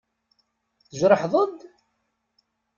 Tjerḥeḍ-d?